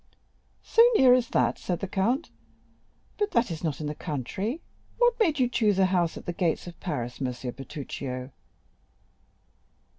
"So near as that?" said the Count; "but that is not in the country. What made you choose a house at the gates of Paris, M. Bertuccio?"